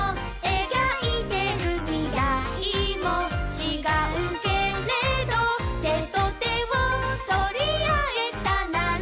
「描いてる未来も違うけれど」「手と手を取り合えたなら」